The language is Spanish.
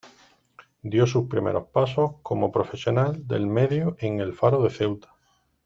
Dio sus primero pasos como profesional del medio en "El Faro de Ceuta".